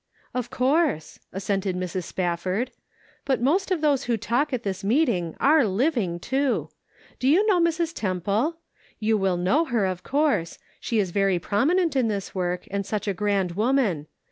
" Of course," assented Mrs. Spafford ;" but most of those who talk at this meeting are living, too. Do you know Mrs. Temple ? You will know her, of course. She is very prominent in this work, and such a grand woman.